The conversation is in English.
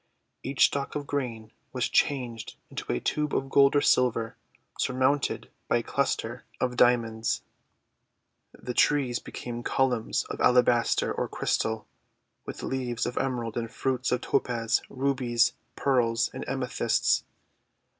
Each stalk of grain was changed into a tube of gold or silver, surmounted by a cluster of Dia 284 THE WONDER GARDEN monds. The trees became columns of alabaster or crystal, with leaves of Emerald and fruits of Topaz, Rubies, Pearls, and Amethysts.